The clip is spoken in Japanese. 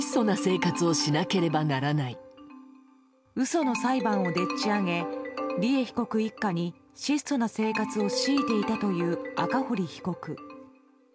嘘の裁判をでっち上げ利恵被告一家に質素な生活を強いていたという赤堀被告。